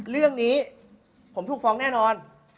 เรื่องนี้ผมถูกฟ้องแน่นอน